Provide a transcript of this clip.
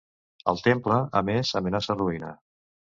El temple, a més, amenaça ruïna.